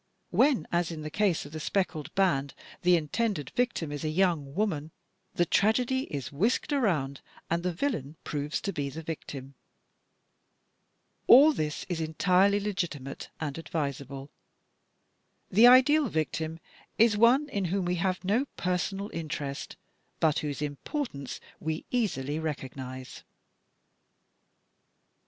When, as in the case of "The Speckled Band," the intended victim is a young woman, the tragedy is whisked around and the villain proves to be the victim. All this is entirely legitimate and advisable. The ideal victim is one in whom we have no personal interest, but whose importance we easily recognize.